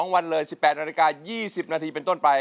วันเลย๑๘นาฬิกา๒๐นาทีเป็นต้นไป